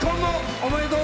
おめでとう！